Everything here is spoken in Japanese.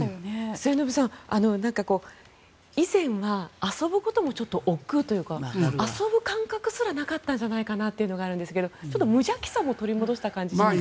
末延さん、以前は遊ぶこともちょっとおっくうというか遊ぶ感覚もなかったんじゃないかということですがちょっと無邪気さも取り戻した感じがしませんか。